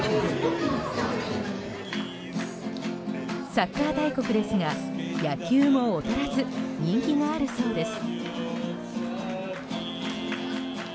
サッカー大国ですが、野球も劣らず人気があるそうです。